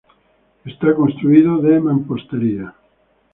Está construido de mampostería.